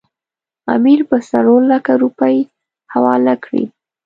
امیر به څلورلکه روپۍ حواله کړي.